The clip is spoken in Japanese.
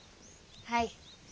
はい。